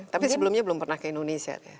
tapi sebelumnya belum pernah ke indonesia